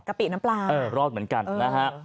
ปิน้ำปลาเออรอดเหมือนกันนะฮะ